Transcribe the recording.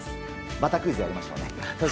またクイズやりましょうね。